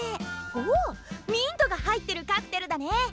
おっミントが入ってるカクテルだね！